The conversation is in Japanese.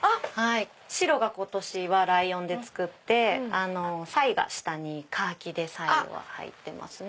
白が今年はライオンで作ってサイが下にカーキでサイは入ってますね。